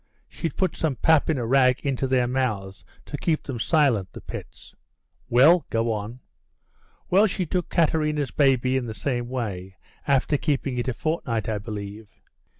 She'd put some pap in a rag into their mouths to keep 'em silent, the pets." "Well, go on." "Well, she took Katerina's baby in the same way, after keeping it a fortnight, I believe.